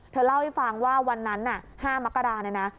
เธอเล่าให้ฟังว่าวันนั้น๕มกราเนี่ยนะ